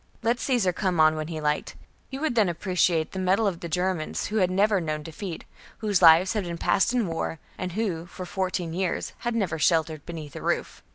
Let Caesar come on when he liked : he would then appreciate I HELVETII AND ARIOVISTUS 33 the mettle of Germans who had never known 58 b.c. defeat, whose lives had been passed in war, and who, for fourteen years, had never sheltered beneath a roof 37.